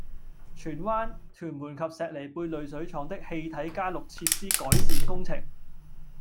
荃灣、屯門及石梨貝濾水廠的氣體加氯設施改善工程